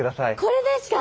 これですか？